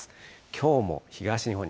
きょうも東日本、